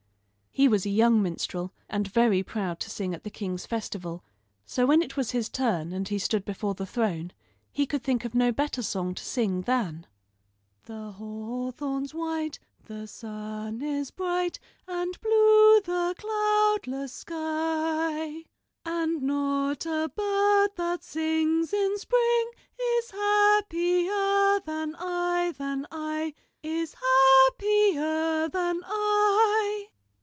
He was a young minstrel and very proud to sing at the king's festival, so when it was his turn and he stood before the throne he could think of no better song to sing than: "The hawthorn's white, the sun is bright, And blue the cloudless sky; And not a bird that sings in spring Is happier than I, than I, Is happier than I."